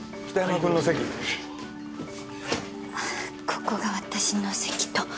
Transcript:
ここが私の席と。